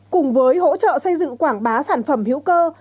cùng với hỗ trợ xây dựng quảng bá sản phẩm hữu cơ